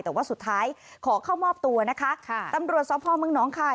แต่ว่าสุดท้ายขอเข้ามอบตัวนะคะค่ะตำรวจสพเมืองน้องคาย